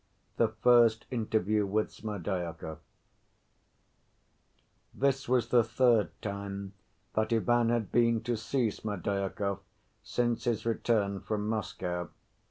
The First Interview With Smerdyakov This was the third time that Ivan had been to see Smerdyakov since his return from Moscow.